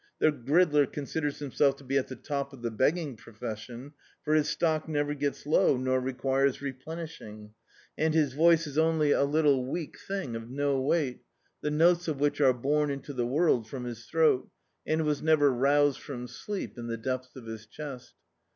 The gridler con siders himself to be at the top of the begging pro fession, for his stock never gets low, nor requires replenishing; and his voice is only a Httle weak thing of no wei^t, the notes of which are bom into the world from his throat, and was never roused from sleep in the depths of his chest.